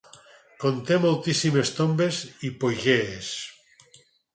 Conté moltíssimes tombes hipogees.